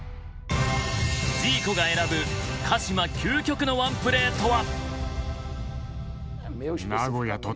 ジーコが選ぶ鹿島究極のワンプレーとは？